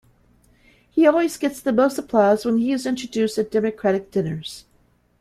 He always gets the most applause when he is introduced at Democratic dinners.